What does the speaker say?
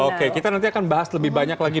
oke kita nanti akan bahas lebih banyak lagi